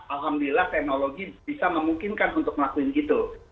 alhamdulillah teknologi bisa memungkinkan untuk melakukan itu